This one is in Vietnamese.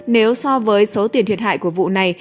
nếu so với số tiền thiệt hại của vụ này